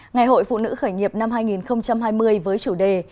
ngày hội phụ nữ khởi nghiệp năm hai nghìn hai mươi với chủ đề